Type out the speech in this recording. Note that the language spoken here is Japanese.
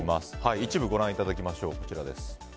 一部ご覧いただきましょう。